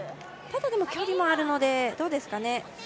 ただ、距離もあるので、どうですかね。